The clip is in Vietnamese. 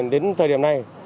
đến thời điểm này